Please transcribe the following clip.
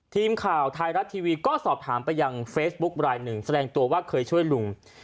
ทีมข่าวไทยรัฐทีวีก็สอบถามไปยังเฟซบุ๊กรายหนึ่งแสดงตัวว่าเคยช่วยลุง